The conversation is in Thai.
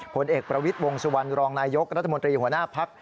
ผลเอกประวิทย์วงสุวรรณรองนายกรัฐมนตรีหัวหน้าพัก